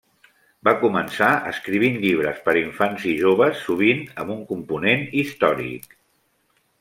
Va començar escrivint llibres per infants i joves, sovint amb un component històric.